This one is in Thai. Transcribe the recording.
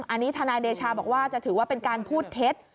อันนี้ทนายเดชาบอกว่าจะถือว่าเป็นการพูดเท็จ